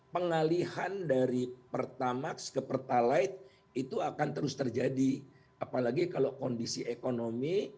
pengalihan dari pertamax ke pertalite itu akan terus terjadi apalagi kalau kondisi ekonomi